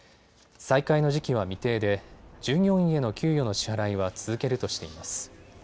再開の時期は未定で従業員への給与の支払いは続けるとしています。